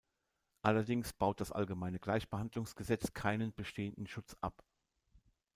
Allerdings baut das Allgemeine Gleichbehandlungsgesetz keinen bestehenden Schutz ab.